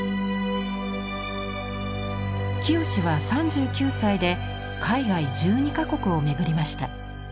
清は３９歳で海外１２か国を巡りました。